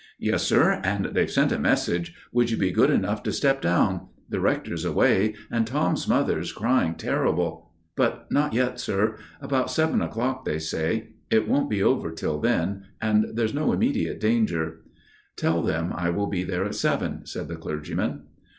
"Yes, sir, and they've sent a message, Would you be good enough to step down? The rector's away, and Tom's mother's crying terrible. But not yet, sir. About seven o'clock, they say. It won't be over till then, and there's no immediate danger." "Tell them I will be there at seven," said the clergyman.